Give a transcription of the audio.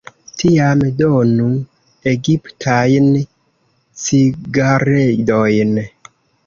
Tiam, donu egiptajn cigaredojn.